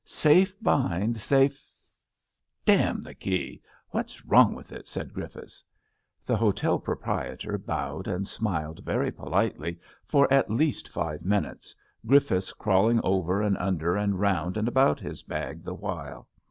'' Safe bind, safe D— n the key! What's wrong with it? " said Griffiths. The hotel proprietor bowed and smiled very politely for at least five minutes, Griffiths crawling over and under and round and about his bag the while.